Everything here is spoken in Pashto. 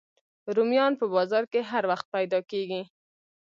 رومیان په بازار کې هر وخت پیدا کېږي